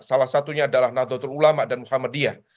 salah satunya adalah nahdlatul ulama dan muhammadiyah